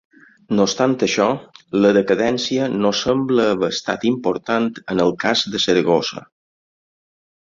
No obstant això, la decadència no sembla haver estat important en el cas de Saragossa.